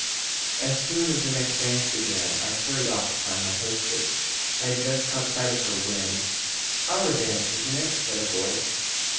As soon as the next dance began I hurried off to find my hostess. I had just caught sight of her when "Our dance, isn't it?" said a voice.